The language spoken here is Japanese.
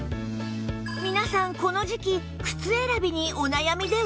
皆さんこの時季靴選びにお悩みでは？